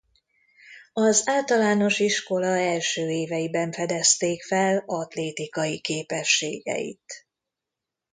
Az általános iskola első éveiben fedezték fel atlétikai képességeit.